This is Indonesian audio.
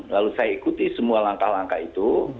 lalu saya ikuti semua langkah langkah itu